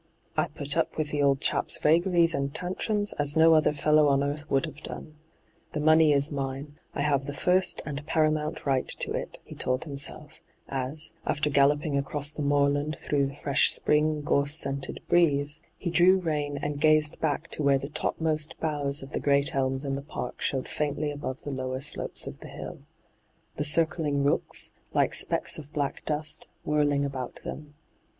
' I put up with the old chap's vagaries and tantrums as no other fellow on eartb. would have done. The money is mine ; I have the first and paramount right to it/ he told himself, as, after galloping across the moorland through the fresh spring, gorse scented breeze, he drew rein and gazed back to hyGoo>^lc ENTRAPPED 83 where the topmost boughs of the great elms in the park showed faintly above the lower slopes of the hill — the circling rooks, like specks of black dust, whirling about them.